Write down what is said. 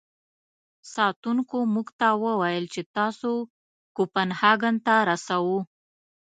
ساتونکو موږ ته و ویل چې تاسو کوپنهاګن ته رسوو.